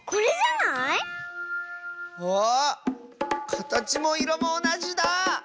かたちもいろもおなじだあ！